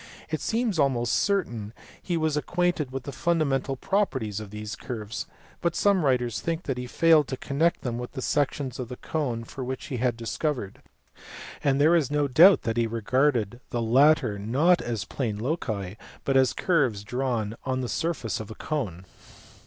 It seems almost certain that he was acquainted with the fundamental properties of these curves; but some writers think that he failed to connect them with the sections of the cone which he had discovered, and there is no doubt that he regarded the latter not as plane loci but as curves drawn on the surface of a cone.